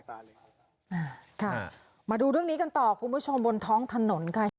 อ่าค่ะมาดูเรื่องนี้กันต่อคุณผู้ชมบนท้องถนนค่ะ